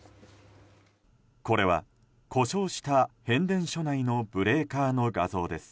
これは、故障した変電所内のブレーカーの画像です。